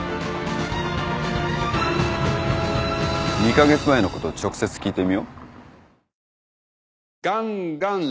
２カ月前のことを直接聞いてみよう。